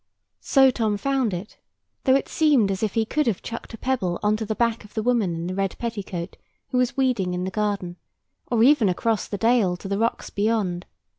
So Tom found it; though it seemed as if he could have chucked a pebble on to the back of the woman in the red petticoat who was weeding in the garden, or even across the dale to the rocks beyond.